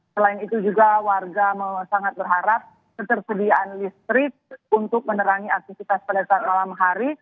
selain itu juga warga sangat berharap ketersediaan listrik untuk menerangi aktivitas pada saat malam hari